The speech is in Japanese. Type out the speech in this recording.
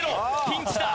ピンチだ！